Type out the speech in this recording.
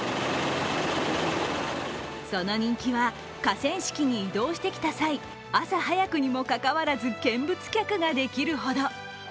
その人気は河川敷に移動してきた際、朝早くにもかかわらず見物客ができるほど。